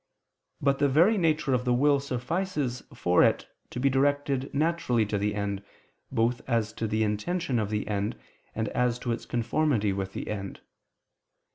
But the very nature of the will suffices for it to be directed naturally to the end, both as to the intention of the end and as to its conformity with the end.